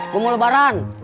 gua mau lebaran